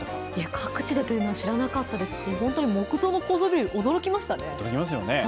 各地でというのは知らなかったですし本当に木造の高層ビル、驚きましたね。